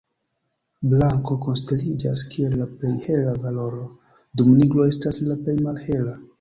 Blanko konsideriĝas, kiel la plej hela valoro, dum nigro estas la plej malhela.